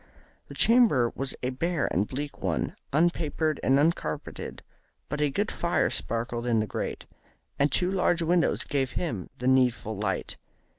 The chamber was a bare and bleak one, un papered and un carpeted, but a good fire sparkled in the grate, and two large windows gave him the needful light.